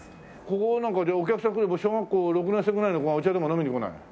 ここはなんかじゃあお客さん来れば小学校６年生ぐらいの子がお茶でも飲みに来ないの？